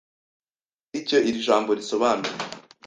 Sinzi icyo iri jambo risobanura.